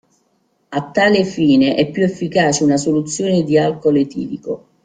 A tale fine è più efficace una soluzione di alcol etilico.